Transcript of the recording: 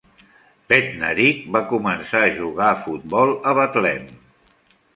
Bednarik va començar a jugar a futbol a Betlem.